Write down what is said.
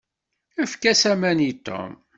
Efk-as aman i Tom.